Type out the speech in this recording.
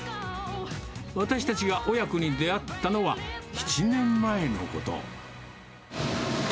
私たちが親子に出会ったのは、７年前のこと。